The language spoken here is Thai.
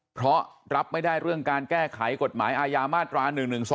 เพราะรับไม่ได้เรื่องการแก้ไขกฎหมายอาญามาตรา๑๑๒